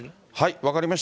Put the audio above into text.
分かりました。